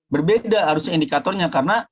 berbeda harusnya indikatornya karena